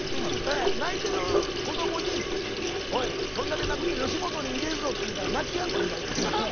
ええ泣いてる子どもに「おいそんだけ泣くと吉本に入れるぞ」って言うたら泣きやんだぐらいです。